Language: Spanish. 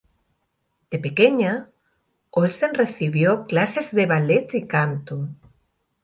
De pequeña, Olsen recibió clases de ballet y canto.